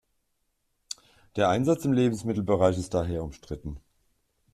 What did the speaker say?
Der Einsatz im Lebensmittelbereich ist daher umstritten.